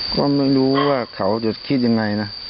ก็ไม่รู้ว่าเขาจะคิดยังไงนะ